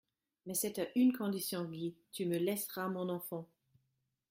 Mais c'est à une condition, Guy, tu me laisseras mon enfant.